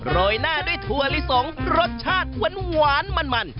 ยหน้าด้วยถั่วลิสงรสชาติหวานมัน